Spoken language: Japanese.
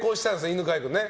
犬飼君ね。